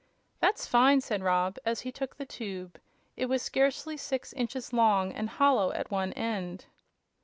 "That's fine!" said Rob, as he took the tube. It was scarcely six inches long, and hollow at one end.